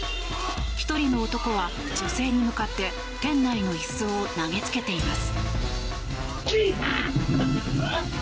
１人の男は、女性に向かって店内の椅子を投げつけています。